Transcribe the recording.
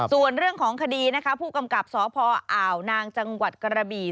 ส่วนเรื่องของคดีนะคะผู้กำกับสพอ่าวนางจังหวัดกระบี่